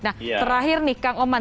nah terakhir nih kang oman